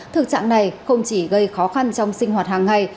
thực trạng này không chỉ gây khó khăn trong sinh hoạt hàng ngày